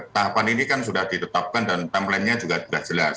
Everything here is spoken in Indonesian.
tahapan ini kan sudah ditetapkan dan timelinenya juga tidak jelas